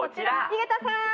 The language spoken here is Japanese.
井桁さん！